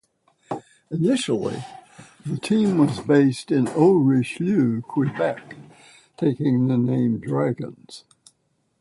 Initially the team was based in Haut-Richelieu, Quebec, taking the name Dragons.